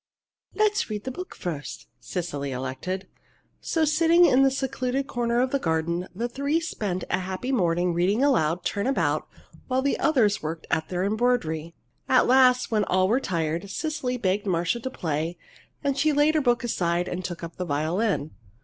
"Let's read the book first," Cecily elected. So, sitting in the secluded corner of the garden, the three spent a happy morning, reading aloud, turn about, while the others worked at their embroidery. At last, when all were tired, Cecily begged Marcia to play, and she laid her book aside and took up the violin.